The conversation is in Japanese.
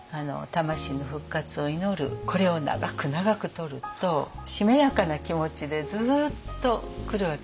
これを長く長くとるとしめやかな気持ちでずっとくるわけです。